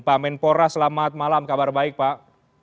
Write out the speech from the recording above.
pak menpora selamat malam kabar baik pak